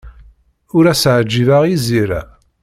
Ur as-ɛjibeɣ i Zira.